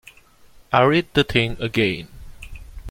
I read the thing again.